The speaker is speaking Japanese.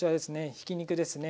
ひき肉ですね。